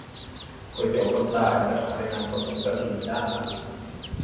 ก๋วยเตี๋ยวคนตาย จะทำในงานศพมุสลิม ย่านฮารูณ